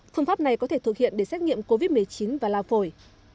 phương pháp này có thể thực hiện để xét nghiệm covid một mươi chín và lao phổi